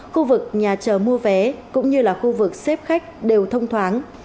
khu vực nhà chờ mua vé cũng như là khu vực xếp khách đều thông thoáng